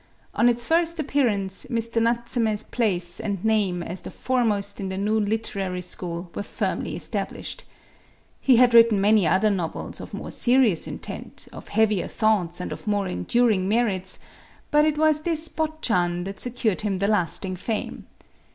On its first appearance, Mr. Natsume's place and name as the foremost in the new literary school were firmly established. He had written many other novels of more serious intent, of heavier thoughts and of more enduring merits, but it was this "Botchan" that secured him the lasting fame.